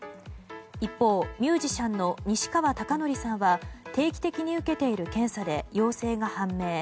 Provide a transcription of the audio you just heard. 一方、ミュージシャンの西川貴教さんは定期的に受けている検査で陽性が判明。